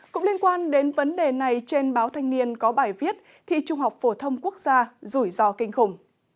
cũng liên quan đến vấn đề này trên báo thanh niên có bài viết thì trung học phổ thông quốc gia rủi ro kinh khủng